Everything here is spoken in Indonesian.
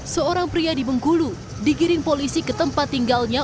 seorang pria di bengkulu digiring polisi ke tempat tinggalnya